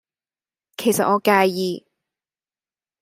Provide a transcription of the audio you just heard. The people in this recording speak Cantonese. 其實我介意